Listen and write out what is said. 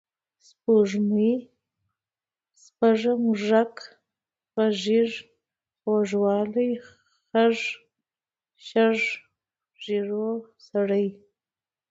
سپوږمۍ، سپږه، موږک، غږیز، غوږ والۍ، خَږا، شَږ، ږېرور سړی